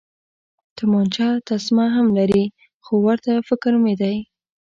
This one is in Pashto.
تومانچه تسمه هم لري، هو، ورته فکر مې دی.